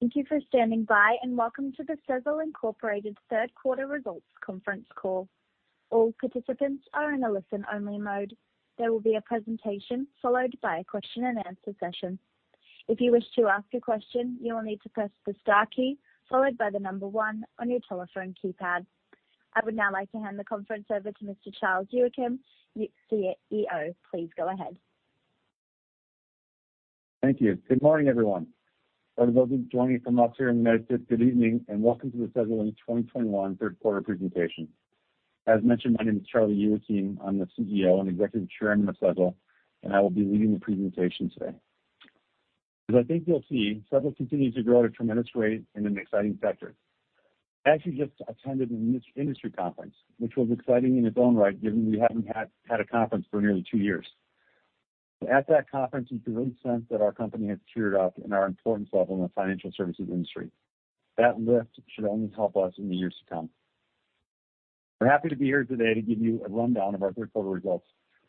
Thank you for standing by, and welcome to the Sezzle Inc. third quarter results conference call. All participants are in a listen-only mode. There will be a presentation followed by a question-and-answer session. If you wish to ask a question, you will need to press the star key followed by the number one on your telephone keypad. I would now like to hand the conference over to Mr. Charlie Youakim, your CEO. Please go ahead. Thank you. Good morning, everyone. For those of you joining from elsewhere in the United States, good evening, and welcome to the Sezzle 2021 third quarter presentation. As mentioned, my name is Charlie Youakim. I'm the CEO and Executive Chairman of Sezzle, and I will be leading the presentation today. As I think you'll see, Sezzle continues to grow at a tremendous rate in an exciting sector. I actually just attended an industry conference, which was exciting in its own right, given we haven't had a conference for nearly two years. At that conference, you could really sense that our company has tiered up in our importance level in the financial services industry. That lift should only help us in the years to come. We're happy to be here today to give you a rundown of our third quarter results.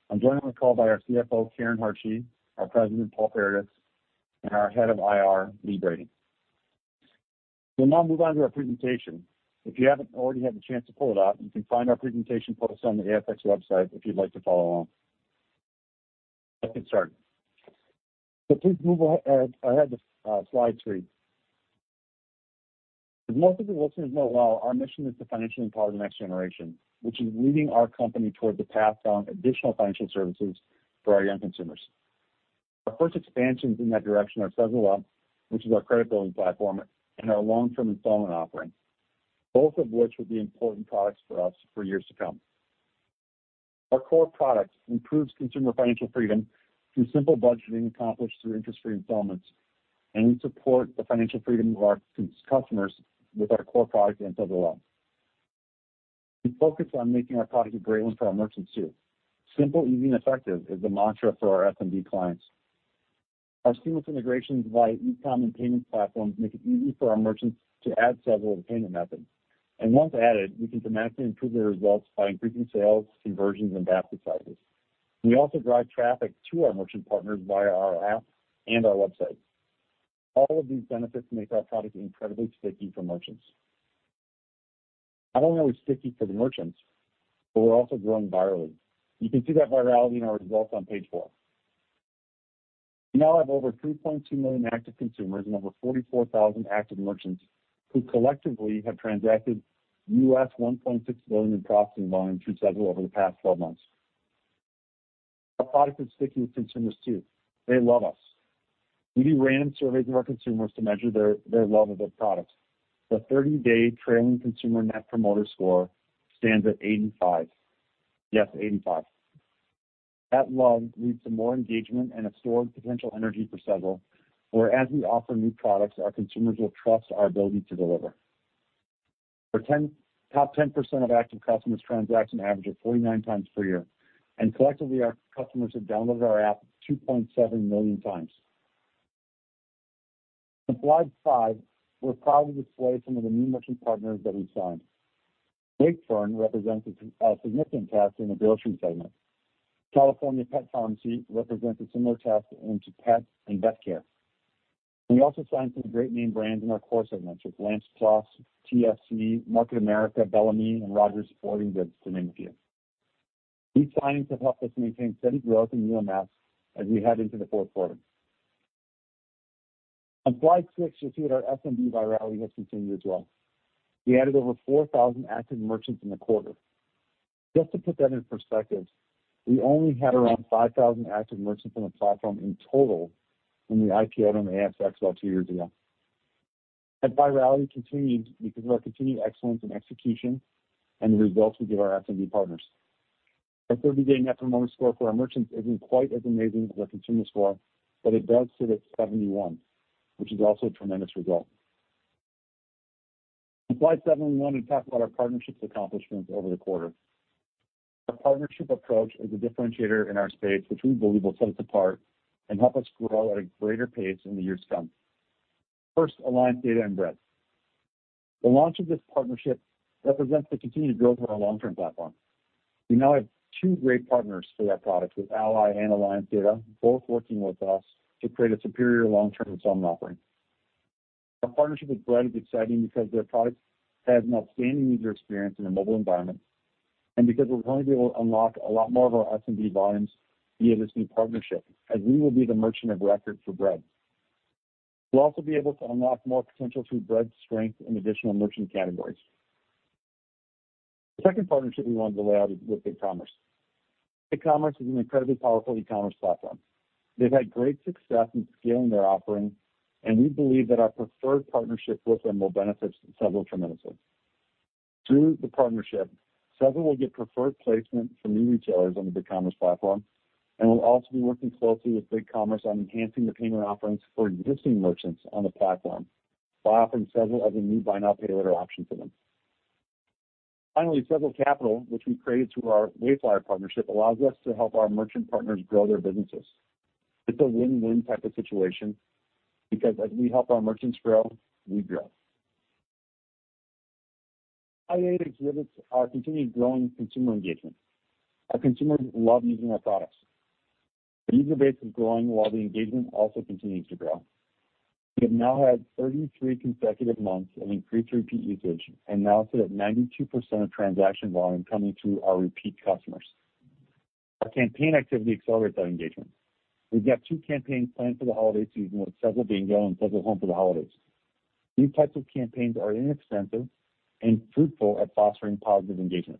I'm joined on the call by our CFO, Karen Hartje, our president, Paul Paradis, and our head of IR, Lee Brading. We'll now move on to our presentation. If you haven't already had the chance to pull it up, you can find our presentation posts on the ASX website if you'd like to follow along. Let's get started. Please move ahead to slide three. As most of you listeners know well, our mission is to financially empower the next generation, which is leading our company towards the path on additional financial services for our young consumers. Our first expansions in that direction are Sezzle Up, which is our credit building platform, and our long-term installment offering, both of which will be important products for us for years to come. Our core product improves consumer financial freedom through simple budgeting accomplished through interest-free installments, and we support the financial freedom of our customers with our core product in Sezzle Up. We focus on making our product a great one for our merchants too. Simple, easy, and effective is the mantra for our SMB clients. Our seamless integration via e-com and payments platforms make it easy for our merchants to add Sezzle as a payment method. Once added, we can dramatically improve their results by increasing sales, conversions, and basket sizes. We also drive traffic to our merchant partners via our app and our website. All of these benefits make our product incredibly sticky for merchants. Not only are we sticky for the merchants, but we're also growing virally. You can see that virality in our results on page four. We now have over 3.2 million active consumers and over 44,000 active merchants who collectively have transacted $1.6 billion in processing volume through Sezzle over the past 12 months. Our product is sticky with consumers too. They love us. We do random surveys of our consumers to measure their love of their product. The 30-day trailing consumer net promoter score stands at 85. Yes, 85. That love leads to more engagement and a stored potential energy for Sezzle, for as we offer new products, our consumers will trust our ability to deliver. Our top 10% of active customers transaction average at 49 times per year, and collectively, our customers have downloaded our app 2.7 million times. On slide five, we'll probably display some of the new merchant partners that we've signed. Big Fern represents a significant test in the grocery segment. California Pet Pharmacy represents a similar test into pets and vet care. We also signed some great name brands in our core segments with Lacrosse, TFC, Market America, Bellami, and Rogers Sporting Goods, to name a few. These signings have helped us maintain steady growth in new MS as we head into the fourth quarter. On slide six, you'll see that our SMB virality has continued as well. We added over 4,000 active merchants in the quarter. Just to put that into perspective, we only had around 5,000 active merchants on the platform in total when we IPO'd on the ASX about two years ago. That virality continued because of our continued excellence in execution and the results we give our SMB partners. Our 30-day net promoter score for our merchants isn't quite as amazing as our consumer score, but it does sit at 71, which is also a tremendous result. On slide seven, we wanted to talk about our partnerships accomplishments over the quarter. Our partnership approach is a differentiator in our space which we believe will set us apart and help us grow at a greater pace in the years to come. First, Alliance Data and Bread. The launch of this partnership represents the continued growth of our long-term platform. We now have two great partners for that product with Ally and Alliance Data, both working with us to create a superior long-term installment offering. Our partnership with Bread is exciting because their product has an outstanding user experience in a mobile environment, and because we're going to be able to unlock a lot more of our SMB volumes via this new partnership, as we will be the merchant of record for Bread. We'll also be able to unlock more potential through Bread's strength in additional merchant categories. The second partnership we wanted to lay out is with BigCommerce. BigCommerce is an incredibly powerful e-commerce platform. They've had great success in scaling their offering, and we believe that our preferred partnership with them will benefit Sezzle tremendously. Through the partnership, Sezzle will get preferred placement for new retailers on the BigCommerce platform, and we'll also be working closely with BigCommerce on enhancing the payment offerings for existing merchants on the platform by offering Sezzle as a new buy now, pay later option for them. Finally, Sezzle Capital, which we created through our Wayflyer partnership, allows us to help our merchant partners grow their businesses. It's a win-win type of situation because as we help our merchants grow, we grow. Slide eight exhibits our continued growing consumer engagement. Our consumers love using our products. The user base is growing while the engagement also continues to grow. We have now had 33 consecutive months of increased repeat usage and now sit at 92% of transaction volume coming through our repeat customers. Our campaign activity accelerates that engagement. We've got two campaigns planned for the holiday season with Sezzle Bingo and Sezzle Home for the Holidays. These types of campaigns are inexpensive and fruitful at fostering positive engagement.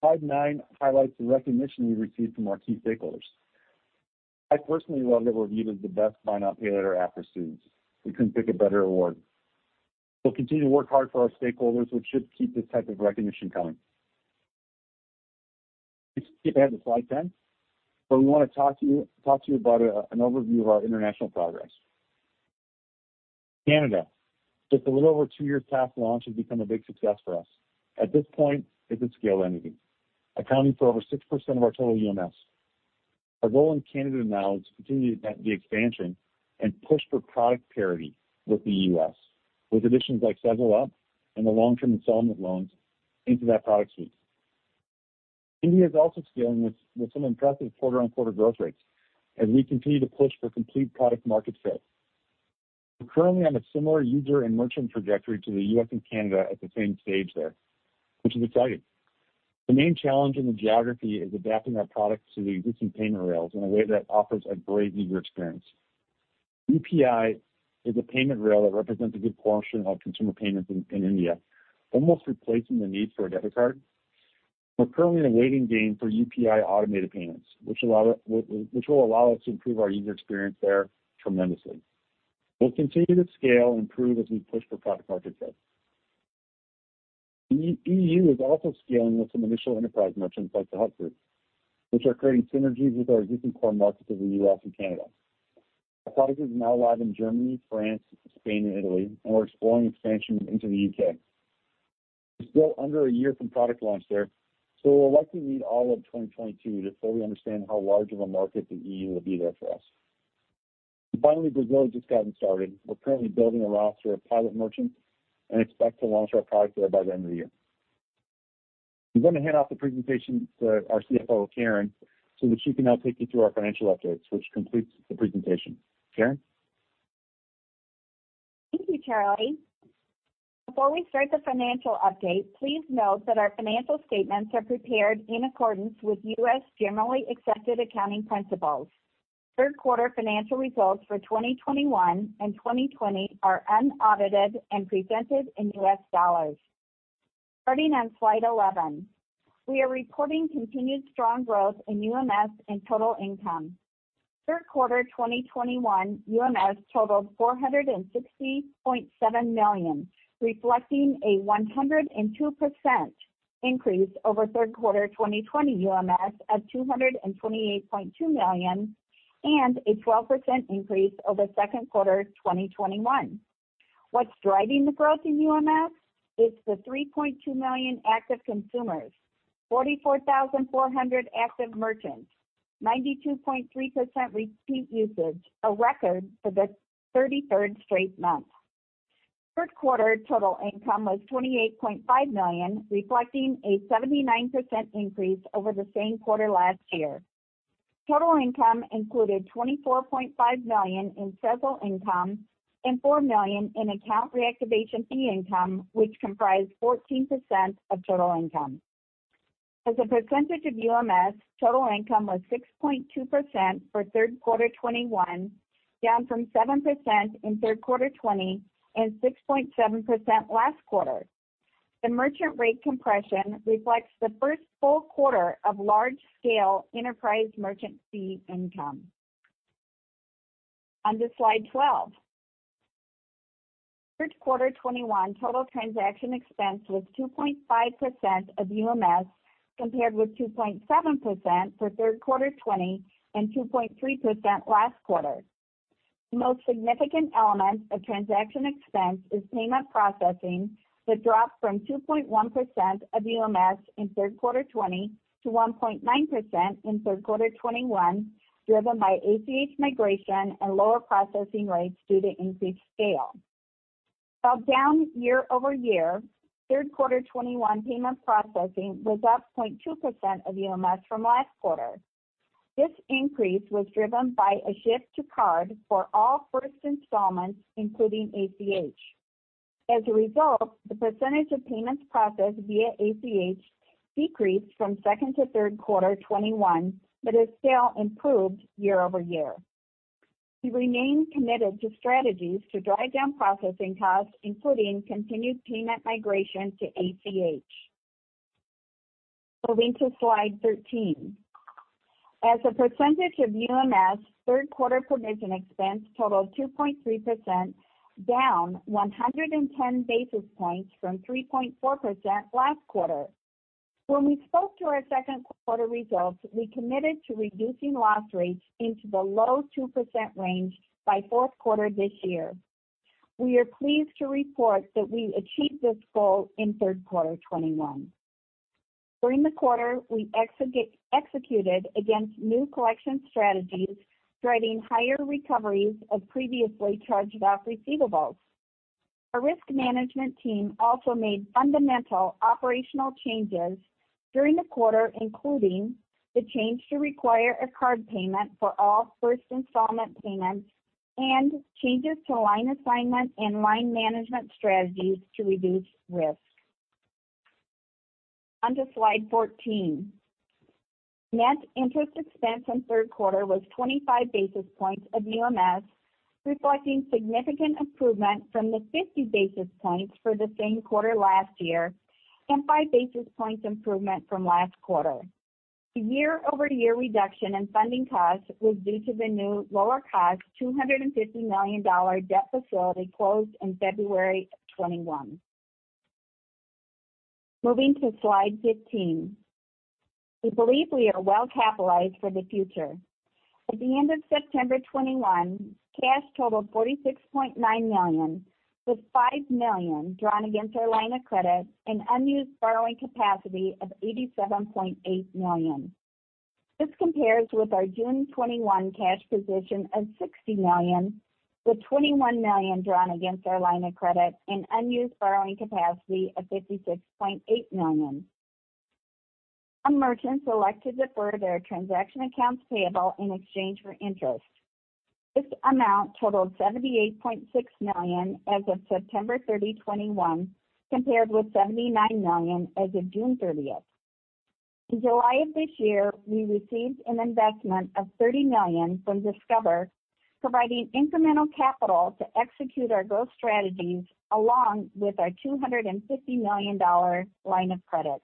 Slide nine highlights the recognition we've received from our key stakeholders. I personally love that we're viewed as the best buy now, pay later app for students. We couldn't pick a better award. We'll continue to work hard for our stakeholders, which should keep this type of recognition coming. Let's skip ahead to slide 10, where we wanna talk to you about an overview of our international progress. Canada, just a little over two years past launch, has become a big success for us. At this point, it's at scale and growing, accounting for over 6% of our total UMS. Our role in Canada now is to continue the expansion and push for product parity with the U.S., with additions like Sezzle Up and the long-term installment loans into that product suite. India is also scaling with some impressive quarter-on-quarter growth rates as we continue to push for complete product market fit. We're currently on a similar user and merchant trajectory to the U.S. and Canada at the same stage there, which is exciting. The main challenge in the geography is adapting our products to the existing payment rails in a way that offers a great user experience. UPI is a payment rail that represents a good portion of consumer payments in India, almost replacing the need for a debit card. We're currently in a waiting game for UPI automated payments, which will allow us to improve our user experience there tremendously. We'll continue to scale and improve as we push for product market fit. EU is also scaling with some initial enterprise merchants like the Hut Group, which are creating synergies with our existing core markets of the U.S. and Canada. Our product is now live in Germany, France, Spain, and Italy, and we're exploring expansion into the U.K. We're still under a year from product launch there, so we'll likely need all of 2022 to fully understand how large of a market the EU will be there for us. Finally, Brazil just gotten started. We're currently building a roster of pilot merchants and expect to launch our product there by the end of the year. I'm gonna hand off the presentation to our CFO, Karen, so that she can now take you through our financial updates, which completes the presentation. Karen? Thank you, Charlie. Before we start the financial update, please note that our financial statements are prepared in accordance with U.S. generally accepted accounting principles. Third quarter financial results for 2021 and 2020 are unaudited and presented in U.S. dollars. Starting on slide 11. We are reporting continued strong growth in UMS and total income. Third quarter 2021 UMS totaled $460.7 million, reflecting a 102% increase over third quarter 2020 UMS of $228.2 million and a 12% increase over second quarter 2021. What's driving the growth in UMS? It's the 3.2 million active consumers, 44,400 active merchants, 92.3% repeat usage, a record for the 33rd straight month. Third quarter total income was $28.5 million, reflecting a 79% increase over the same quarter last year. Total income included $24.5 million in Sezzle income and $4 million in account reactivation fee income, which comprised 14% of total income. As a percentage of UMS, total income was 6.2% for third quarter 2021, down from 7% in third quarter 2020 and 6.7% last quarter. The merchant rate compression reflects the first full quarter of large-scale enterprise merchant fee income. On to slide 12. Third quarter 2021 total transaction expense was 2.5% of UMS, compared with 2.7% for third quarter 2020 and 2.3% last quarter. The most significant element of transaction expense is payment processing, which dropped from 2.1% of UMS in third quarter 2020 to 1.9% in third quarter 2021, driven by ACH migration and lower processing rates due to increased scale. While down year over year, third quarter 2021 payment processing was up 0.2% of UMS from last quarter. This increase was driven by a shift to card for all first installments, including ACH. As a result, the percentage of payments processed via ACH decreased from second to third quarter 2021, but it still improved year over year. We remain committed to strategies to drive down processing costs, including continued payment migration to ACH. Moving to slide 13. As a percentage of UMS, third quarter provision expense totaled 2.3%, down 110 basis points from 3.4% last quarter. When we spoke to our second quarter results, we committed to reducing loss rates into the low 2% range by fourth quarter this year. We are pleased to report that we achieved this goal in third quarter 2021. During the quarter, we executed against new collection strategies, driving higher recoveries of previously charged-off receivables. Our risk management team also made fundamental operational changes during the quarter, including the change to require a card payment for all first installment payments and changes to line assignment and line management strategies to reduce risks. Onto slide 14. Net interest expense in third quarter was 25 basis points of UMS, reflecting significant improvement from the 50 basis points for the same quarter last year and 5 basis points improvement from last quarter. The year-over-year reduction in funding costs was due to the new lower cost, $250 million debt facility closed in February 2021. Moving to slide 15. We believe we are well capitalized for the future. At the end of September 2021, cash totaled $46.9 million, with $5 million drawn against our line of credit and unused borrowing capacity of $87.8 million. This compares with our June 2021 cash position of $60 million, with $21 million drawn against our line of credit and unused borrowing capacity of $56.8 million. Some merchants elected to defer their transaction accounts payable in exchange for interest. This amount totaled $78.6 million as of September 30, 2021, compared with $79 million as of June 30. In July of this year, we received an investment of $30 million from Discover, providing incremental capital to execute our growth strategies along with our $250 million line of credit.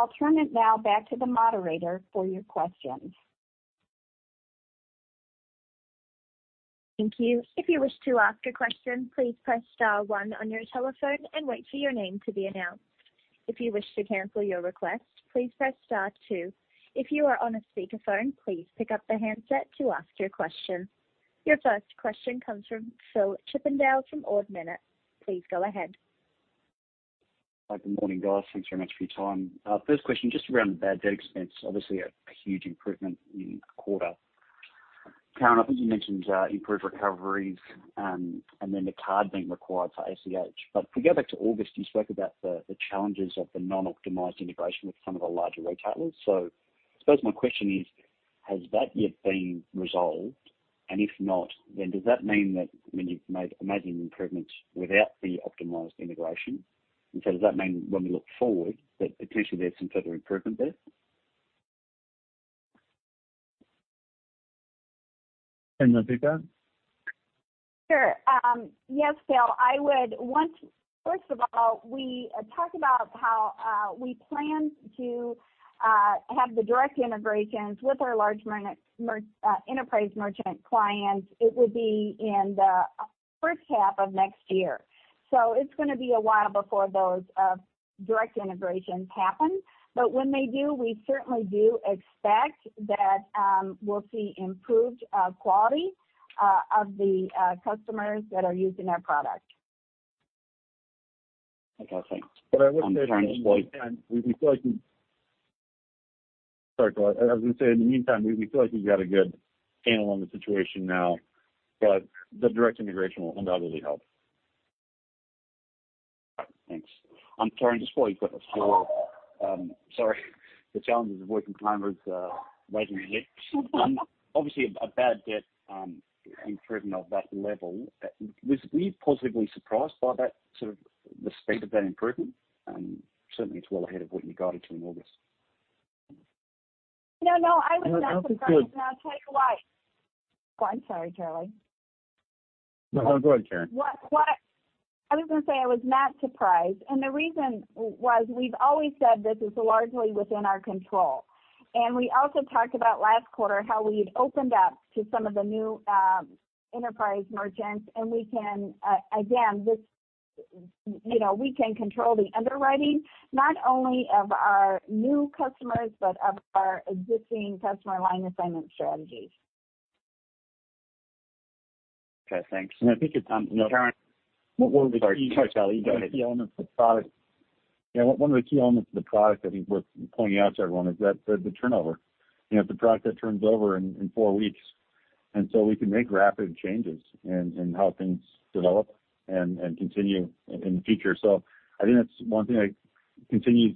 I'll turn it now back to the moderator for your questions. Your first question comes from Phil Chippendale from Ord Minnett. Please go ahead. Hi, good morning, guys. Thanks very much for your time. First question, just around the bad debt expense, obviously a huge improvement in the quarter. Karen, I think you mentioned improved recoveries, and then the card being required for ACH. If we go back to August, you spoke about the challenges of the non-optimized integration with some of the larger retailers. I suppose my question is, has that yet been resolved? If not, then does that mean that when you've made amazing improvements without the optimized integration, and so does that mean when we look forward that potentially there's some further improvement there? Pick up. Sure. Yes, Phil, first of all, we talked about how we plan to have the direct integrations with our large enterprise merchant clients. It would be in the first half of next year. It's gonna be a while before those direct integrations happen. When they do, we certainly do expect that we'll see improved quality of the customers that are using our product. Okay. Thanks. As I said, in the meantime, we feel like we've got a good handle on the situation now, but the direct integration will undoubtedly help. Thanks. Karen, just while you've got us. Sorry. The challenges of working time zones are raising their head. Obviously, a bad debt improvement of that level. Were you positively surprised by that sort of speed of that improvement? Certainly, it's well ahead of what you guided to in August. No, no, I was not surprised. I'll tell you why. Well, I'm sorry, Charlie. No, go ahead, Karen. What I was gonna say I was not surprised. The reason was we've always said this is largely within our control. We also talked about last quarter how we've opened up to some of the new enterprise merchants, and we can again, you know, we can control the underwriting not only of our new customers, but of our existing customer line assignment strategies. Okay, thanks. I think it, you know Karen. Sorry. Sorry, Charlie, go ahead. Yeah. One of the key elements of the product I think worth pointing out to everyone is that the turnover. You know, the product that turns over in four weeks, and so we can make rapid changes in how things develop and continue in the future. I think that's one thing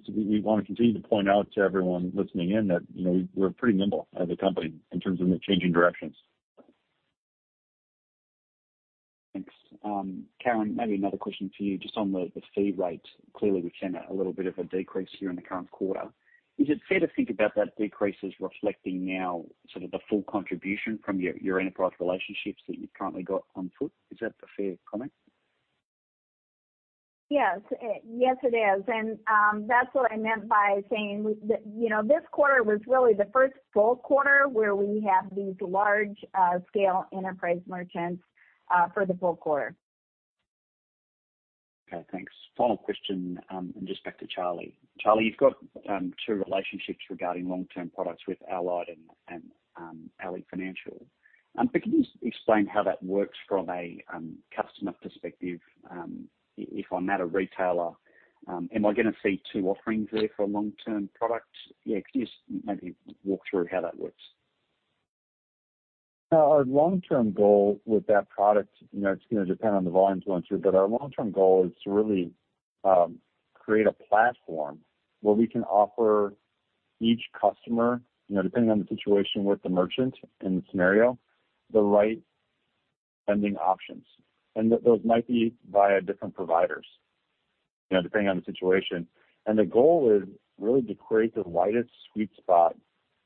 we wanna continue to point out to everyone listening in that, you know, we're pretty nimble as a company in terms of the changing directions. Thanks. Karen, maybe another question for you just on the fee rate. Clearly, we've seen a little bit of a decrease here in the current quarter. Is it fair to think about that decrease as reflecting now sort of the full contribution from your enterprise relationships that you've currently got on foot? Is that a fair comment? Yes. Yes, it is. That's what I meant by saying that, you know, this quarter was really the first full quarter where we have these large scale enterprise merchants for the full quarter. Okay, thanks. Final question, and just back to Charlie. Charlie, you've got two relationships regarding long-term products with Alliance and Ally Financial. Can you explain how that works from a customer perspective? If I'm not a retailer, am I gonna see two offerings there for a long-term product? Yeah, can you just maybe walk through how that works. No. Our long-term goal with that product, you know, it's gonna depend on the volumes going through. Our long-term goal is to really create a platform where we can offer each customer, you know, depending on the situation with the merchant in the scenario, the right funding options. That those might be via different providers, you know, depending on the situation. The goal is really to create the widest sweet spot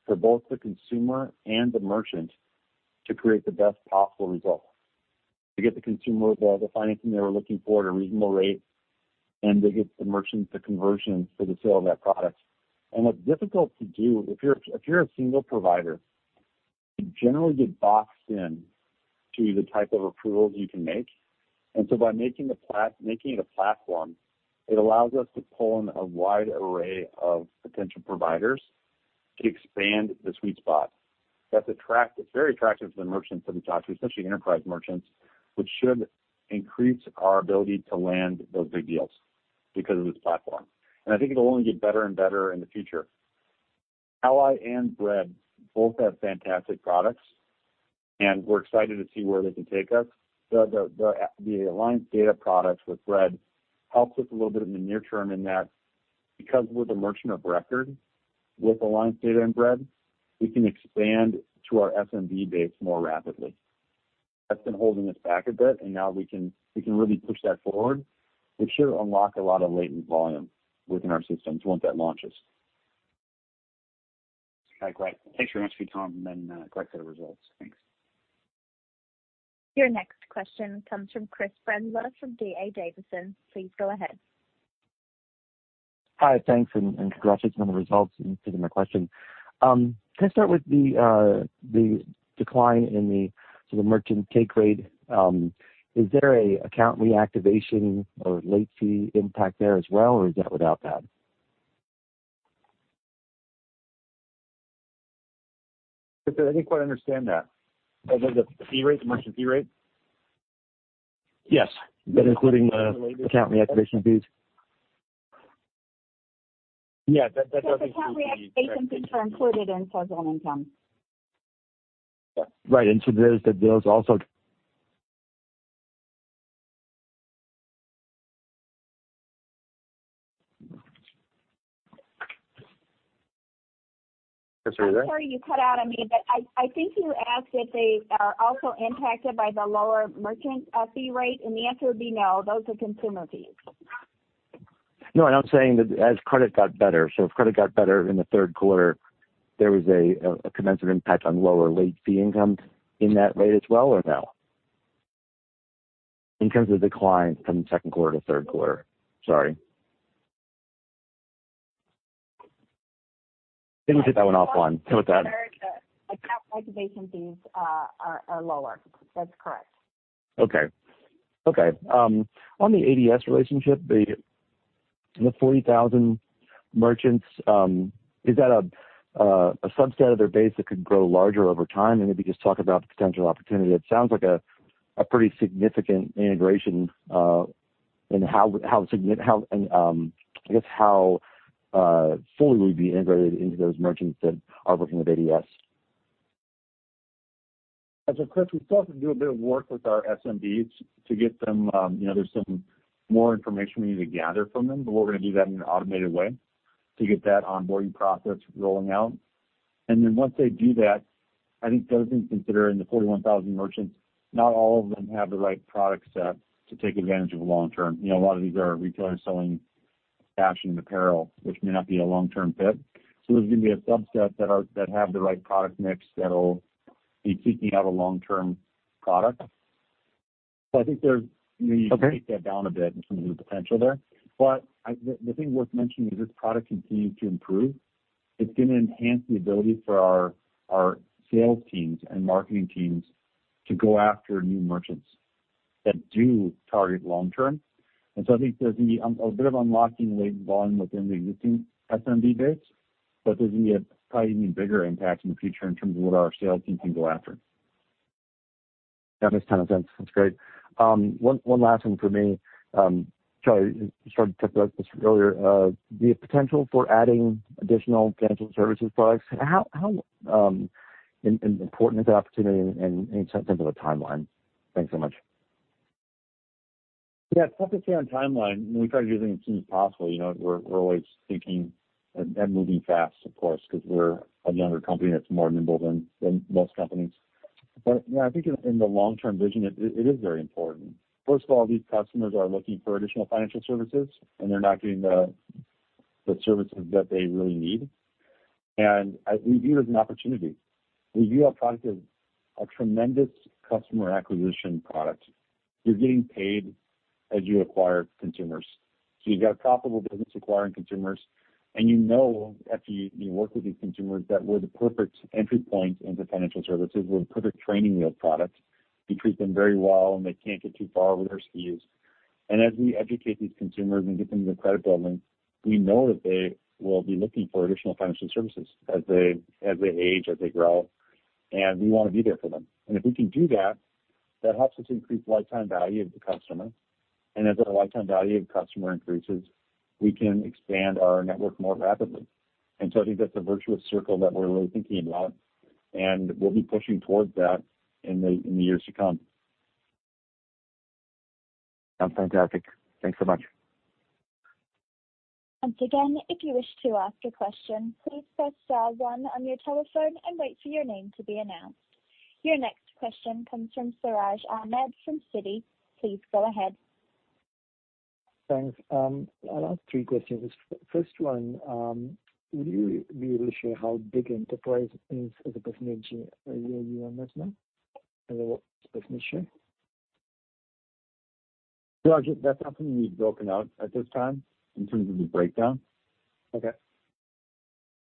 for both the consumer and the merchant to create the best possible result. To get the consumer the financing they were looking for at a reasonable rate and to get the merchant the conversion for the sale of that product. It's difficult to do. If you're a single provider, you generally get boxed in to the type of approvals you can make. By making it a platform, it allows us to pull in a wide array of potential providers to expand the sweet spot. It's very attractive to the merchants that we talk to, especially enterprise merchants, which should increase our ability to land those big deals because of this platform. I think it'll only get better and better in the future. Ally and Bread both have fantastic products, and we're excited to see where they can take us. The Alliance Data products with Bread helps us a little bit in the near term in that because we're the merchant of record with Alliance Data and Bread, we can expand to our SMB base more rapidly. That's been holding us back a bit, and now we can really push that forward, which should unlock a lot of latent volume within our systems once that launches. Okay, great. Thanks very much for your time and great set of results. Thanks. Your next question comes from Chris Brendler from D.A. Davidson. Please go ahead. Hi. Thanks and congratulations on the results, and thanks for taking my question. Can I start with the decline in the sort of merchant take rate? Is there an account reactivation or late fee impact there as well, or is that without that? I didn't quite understand that. The fee rate, the merchant fee rate? Yes. That's including the account reactivation fees. Yeah. That doesn't- The account reactivation fees are included in total income. Right. There was also. Chris, are you there? I'm sorry you cut out on me, but I think you asked if they are also impacted by the lower merchant fee rate, and the answer would be no. Those are consumer fees. No, I'm saying that as credit got better, so if credit got better in the third quarter, there was a commensurate impact on lower late fee income in that rate as well or no? In terms of decline from second quarter to third quarter. Sorry. Didn't get that one off one. Go with that. Account reactivation fees are lower. That's correct. Okay. On the ADS relationship, the 40,000 merchants, is that a subset of their base that could grow larger over time? Maybe just talk about the potential opportunity. It sounds like a pretty significant integration, and I guess how fully we'd be integrated into those merchants that are working with ADS. Chris, we still have to do a bit of work with our SMBs to get them. You know, there's some more information we need to gather from them, but we're gonna do that in an automated way to get that onboarding process rolling out. Once they do that, I think those things considering the 41,000 merchants, not all of them have the right product set to take advantage of long-term. You know, a lot of these are retailers selling fashion and apparel, which may not be a long-term fit. There's gonna be a subset that have the right product mix that'll be seeking out a long-term product. I think there's Okay. You need to take that down a bit in terms of the potential there. The thing worth mentioning, as this product continues to improve, it's gonna enhance the ability for our sales teams and marketing teams to go after new merchants that do target long-term. I think there's gonna be a bit of unlocking latent volume within the existing SMB base, but there's gonna be a probably even bigger impact in the future in terms of what our sales team can go after. That makes a ton of sense. That's great. One last one for me. Sorry, I started to touch on this earlier. The potential for adding additional financial services products, how important is that opportunity in terms of a timeline? Thanks so much. Yeah. It's tough to say on timeline. We try to do them as soon as possible. You know, we're always thinking and moving fast, of course, because we're a younger company that's more nimble than most companies. Yeah, I think in the long-term vision, it is very important. First of all, these customers are looking for additional financial services, and they're not getting the services that they really need. We view it as an opportunity. We view our product as a tremendous customer acquisition product. You're getting paid as you acquire consumers. So you've got a profitable business acquiring consumers, and you know after you work with these consumers that we're the perfect entry point into financial services. We're the perfect training wheel product. We treat them very well, and they can't get too far over their skis. As we educate these consumers and get them into credit building, we know that they will be looking for additional financial services as they age, as they grow. We want to be there for them. If we can do that helps us increase lifetime value of the customer. As our lifetime value of customer increases, we can expand our network more rapidly. I think that's a virtuous circle that we're really thinking about, and we'll be pushing towards that in the years to come. Sounds fantastic. Thanks so much. Once again, if you wish to ask a question, please press star one on your telephone and wait for your name to be announced. Your next question comes from Sanjay Sakhrani from Citi. Please go ahead. Thanks. I'll ask three questions. First one, would you be able to share how big enterprise is as a percentage of your UMS right now? As a what percentage share? Sanjay, that's something we've broken out at this time in terms of the breakdown.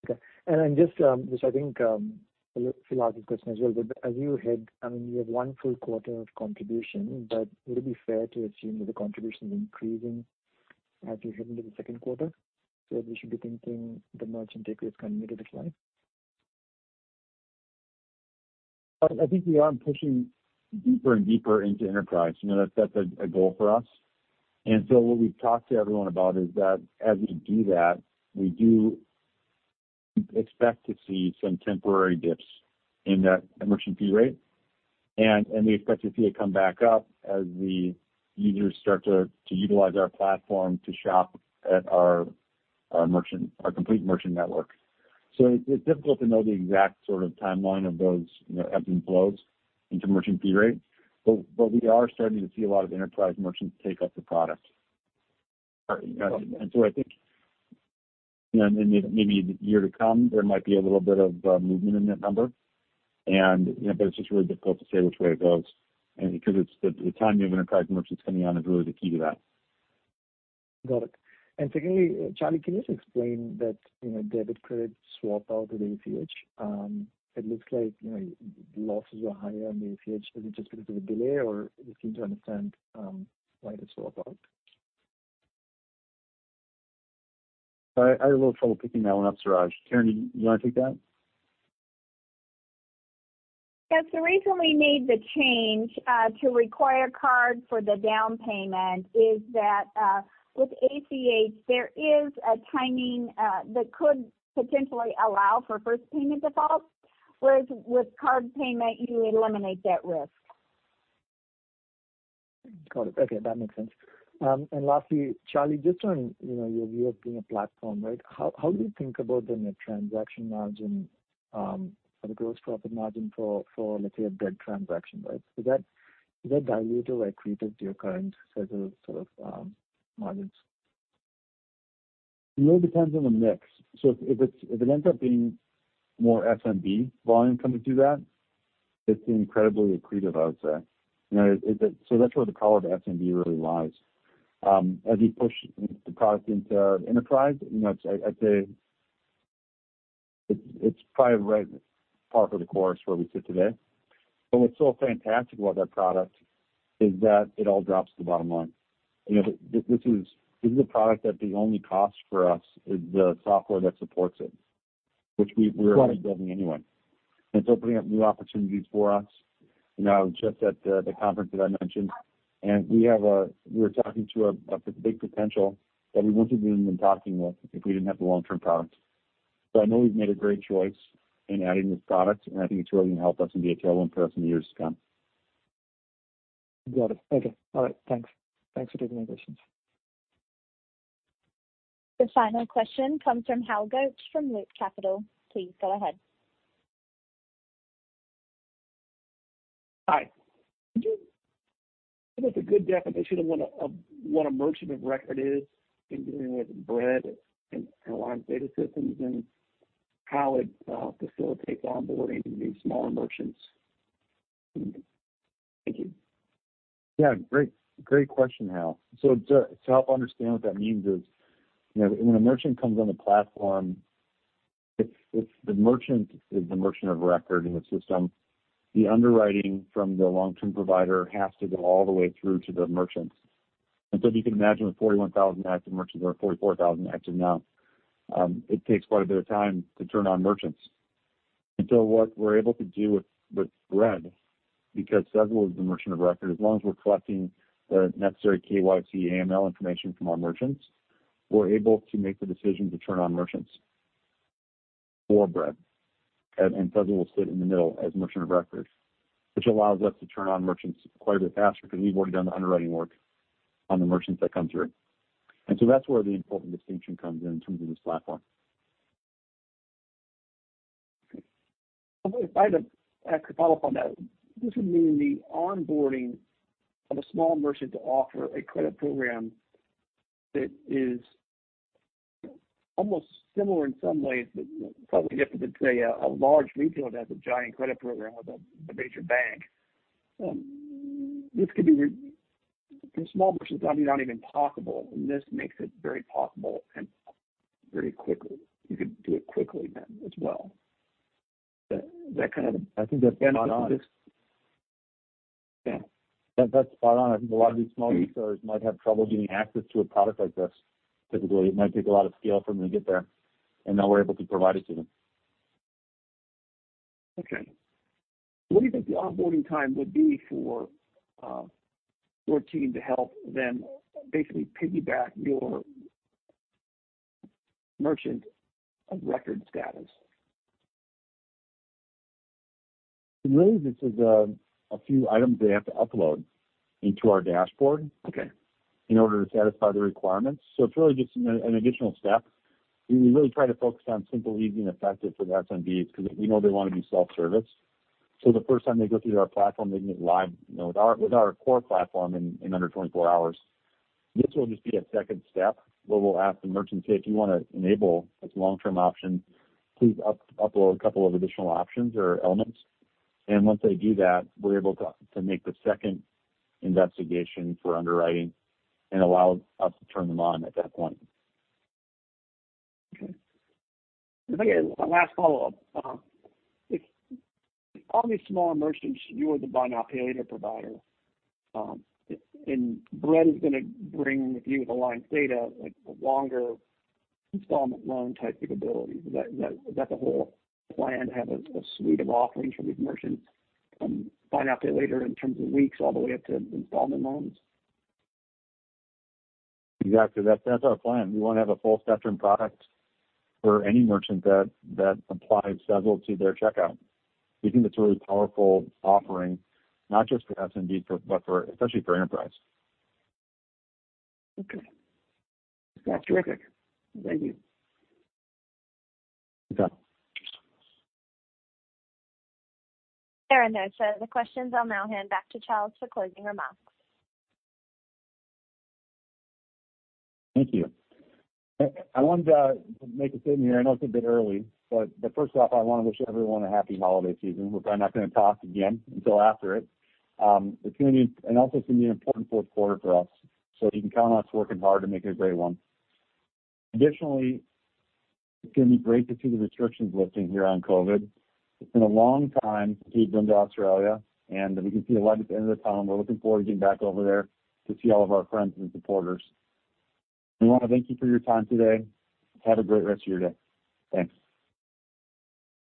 Just, I think, a little follow-up question as well. I mean, you have one full quarter of contribution, but would it be fair to assume that the contribution is increasing as you head into the second quarter? We should be thinking the merchant take rate is kind of mid-single-digit decline. I think we are pushing deeper and deeper into enterprise. You know, that's a goal for us. What we've talked to everyone about is that as we do that, we do expect to see some temporary dips in that merchant fee rate. We expect to see it come back up as the users start to utilize our platform to shop at our merchant, our complete merchant network. It's difficult to know the exact sort of timeline of those, you know, ebbs and flows in merchant fee rate. We are starting to see a lot of enterprise merchants take up the product. I think, you know, maybe in the year to come, there might be a little bit of movement in that number. You know, but it's just really difficult to say which way it goes. Because it's the timing of enterprise merchants coming on is really the key to that. Got it. Secondly, Charlie, can you just explain that, you know, debit, credit swap out with ACH? It looks like, you know, losses were higher on the ACH. Is it just because of the delay or just need to understand, why the swap out? I had a little trouble picking that one up, Sanjay. Karen, do you want to take that? Yes. The reason we made the change to require card for the down payment is that with ACH, there is a timing that could potentially allow for first payment default. Whereas with card payment, you eliminate that risk. Got it. Okay. That makes sense. Lastly, Charlie, just on, you know, your view of being a platform, right? How do you think about the net transaction margin, or the gross profit margin for, let's say, a Bread transaction, right? Is that dilutive or accretive to your current set of, sort of, margins? It really depends on the mix. If it ends up being more SMB volume coming through that, it's incredibly accretive, I would say. You know, that's where the power of SMB really lies. As you push the product into enterprise, you know, I'd say it's probably right par for the course where we sit today. What's so fantastic about that product is that it all drops to the bottom line. You know, this is a product that the only cost for us is the software that supports it, which we- Got it. We're already building anyway. It's opening up new opportunities for us. You know, I was just at the conference that I mentioned, and we're talking to a big potential that we wouldn't have even been talking with if we didn't have the long-term product. I know we've made a great choice in adding this product, and I think it's really going to help us and be a tailwind for us in the years to come. Got it. Okay. All right. Thanks. Thanks for taking my questions. The final question comes from Hal Goetsch from Loop Capital. Please go ahead. Hi. Could you give us a good definition of what a merchant of record is in dealing with Bread and Alliance Data Systems and how it facilitates onboarding these smaller merchants? Thank you. Yeah. Great question, Hal. To help understand what that means is, you know, when a merchant comes on the platform, it's the merchant of record in the system. The underwriting from the long-term provider has to go all the way through to the merchants. If you can imagine with 41,000 active merchants or 44,000 active now, it takes quite a bit of time to turn on merchants. What we're able to do with Bread, because Sezzle is the merchant of record, as long as we're collecting the necessary KYC, AML information from our merchants, we're able to make the decision to turn on merchants for Bread. Sezzle will sit in the middle as merchant of record, which allows us to turn on merchants quite a bit faster because we've already done the underwriting work on the merchants that come through. That's where the important distinction comes in in terms of this platform. I could follow up on that. Does it mean the onboarding of a small merchant to offer a credit program that is almost similar in some ways, but probably different than, say, a large retailer that has a giant credit program with a major bank. This could be for small merchants, probably not even possible, and this makes it very possible and very quickly. You could do it quickly then as well. That kind of I think that's spot on. Yeah. That's spot on. I think a lot of these small retailers might have trouble getting access to a product like this. Typically, it might take a lot of scale for them to get there, and now we're able to provide it to them. Okay. What do you think the onboarding time would be for, your team to help them basically piggyback your merchant of record status? Really, this is a few items they have to upload into our dashboard. Okay. in order to satisfy the requirements. It's really just an additional step. We really try to focus on simple, easy, and effective for the SMBs because we know they wanna be self-service. The first time they go through our platform, they can get live, you know, with our core platform in under 24 hours. This will just be a second step where we'll ask the merchant, "Hey, if you wanna enable this long-term option, please upload a couple of additional options or elements." Once they do that, we're able to make the second investigation for underwriting and allow us to turn them on at that point. Okay. Last follow-up. If all these small merchants, you are the buy now, pay later provider, and Bread is gonna bring with you the line of data, like the longer installment loan-type capabilities. Is that the whole plan, have a suite of offerings for these merchants from buy now, pay later in terms of weeks all the way up to installment loans? Exactly. That's our plan. We wanna have a full spectrum product for any merchant that applies Sezzle to their checkout. We think it's a really powerful offering, not just for SMB, but especially for enterprise. Okay. That's terrific. Thank you. You got it. There are no further questions. I'll now hand back to Charlie for closing remarks. Thank you. I wanted to make a statement here. I know it's a bit early, but first off, I wanna wish everyone a happy holiday season. We're probably not gonna talk again until after it. It's gonna be an important fourth quarter for us, so you can count on us working hard to make it a great one. Additionally, it's gonna be great to see the restrictions lifting here on COVID. It's been a long time since we've been to Australia, and we can see the light at the end of the tunnel. We're looking forward to getting back over there to see all of our friends and supporters. We wanna thank you for your time today. Have a great rest of your day. Thanks.